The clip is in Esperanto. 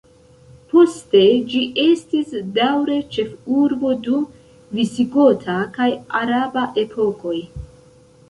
Poste ĝi estis daŭre ĉefurbo dum visigota kaj araba epokoj.